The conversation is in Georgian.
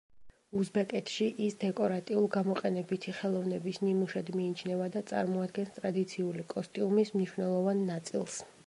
უზბეკეთში ის დეკორატიულ-გამოყენებითი ხელოვნების ნიმუშად მიიჩნევა და წარმოადგენს ტრადიციული კოსტიუმის მნიშვნელოვან ნაწილს.